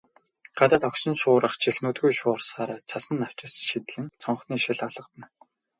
Гадаа догшин шуурга чих нүдгүй шуурсаар, цасан навчис шидлэн цонхны шил алгадна.